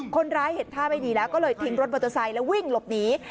คนร้ายเห็นท่าไม่ดีแล้วก็เลยทิ้งรถมอเตอร์ไซค์แล้ววิ่งหลบหนี